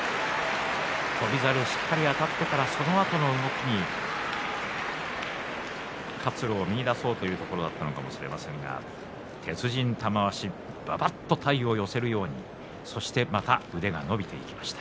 翔猿、しっかりあたってそのあとの動き活路を見いだそうとするところでしたけれども鉄人玉鷲ばばっと体を寄せるようにまた腕が伸びていきました。